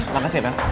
makasih ya vel